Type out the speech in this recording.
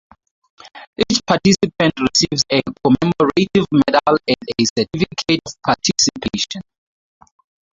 Each participant receives a commemorative medal and a certificate of participation.